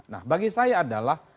nah bagi saya adalah